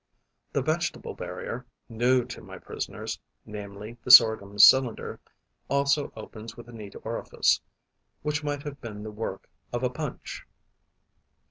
The vegetable barrier, new to my prisoners, namely, the sorghum cylinder, also opens with a neat orifice, which might have been the work of a punch.